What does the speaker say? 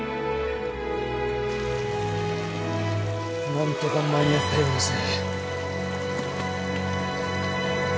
何とか間に合ったようですね